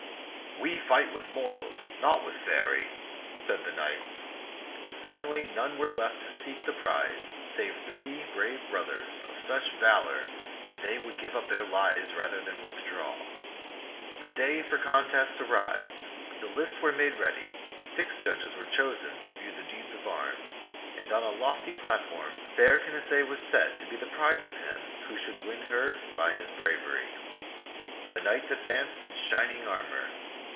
" We fight with mortals, not with Faerie," said the knights ; and finally none were left to seek the prize save three brave brothers of such valor that they would give up their lives rather than withdraw. The day for the contest arrived. The lists were made ready; six judges were chosen to view the deeds of arms ; and on a lofty platform fair Canacee was set to be the prize of him who should win her by his bravery. The knights advanced in shining armor.